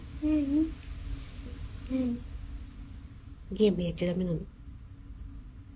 ゲームやっちゃダメなの？